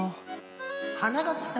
・花垣さん